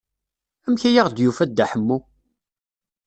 Amek ay aɣ-d-yufa Dda Ḥemmu?